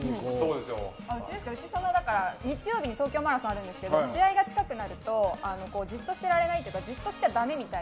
うちは、日曜日に東京マラソンあるんですけど試合が近くなるとじっとしてられないというかじっとしちゃだめみたい。